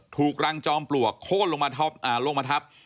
ถูกรังจอมปลวกโค้นลงมาทับ